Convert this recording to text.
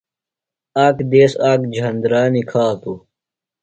آک دیس آک جھندرا نِکھاتوۡ۔